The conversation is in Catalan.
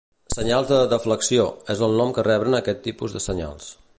"Senyals de deflexió" és el nom que reben aquest tipus de senyals.